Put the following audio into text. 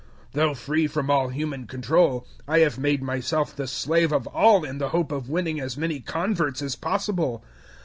009:019 Though free from all human control, I have made myself the slave of all in the hope of winning as many converts as possible.